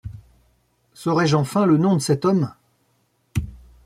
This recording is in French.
Saurai-je enfin le nom de cet homme ?